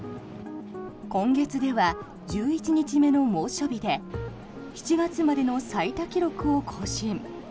今月では１１日目の猛暑日で７月までの最多記録を更新。